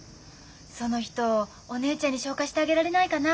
その人お姉ちゃんに紹介してあげられないかな。